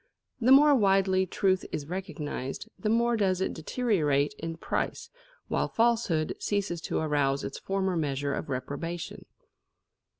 The more widely truth is recognised, the more does it deteriorate in price, while falsehood ceases to arouse its former measure of reprobation.